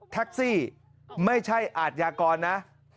แท็กซี่ไม่ใช่อาทยากรนะ